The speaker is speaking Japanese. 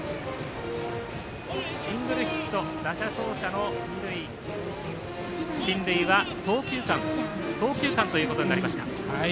シングルヒット打者走者の二塁進塁は送球間ということになりました。